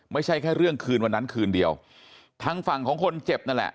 ไม่ใช่แค่เรื่องคืนวันนั้นคืนเดียวทางฝั่งของคนเจ็บนั่นแหละ